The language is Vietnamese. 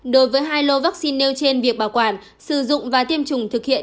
đối với hai lô vaccine nêu trên việc bảo quản sử dụng và tiêm chủng thực hiện